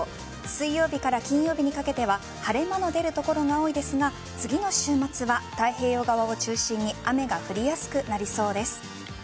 水曜日から金曜日にかけては晴れ間の出る所が多いですが次の週末は太平洋側を中心に雨が降りやすくなりそうです。